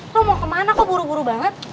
lo mau kemana kok buru buru banget